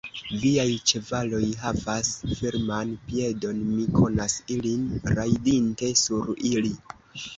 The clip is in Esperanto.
Viaj ĉevaloj havas firman piedon; mi konas ilin, rajdinte sur ili.